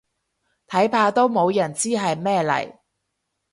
睇怕都冇人知係咩嚟